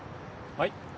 はい。